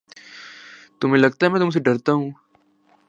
تمہیں لگتا ہے میں تم سے ڈرتا ہوں؟